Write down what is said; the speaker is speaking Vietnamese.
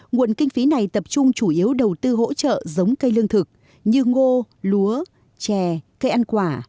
nguồn kinh phí này tập trung chủ yếu đầu tư hỗ trợ giống cây lương thực như ngô lúa chè cây ăn quả